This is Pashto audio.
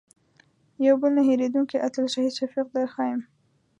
یو بل نه هېرېدونکی اتل شهید شفیق در ښیم.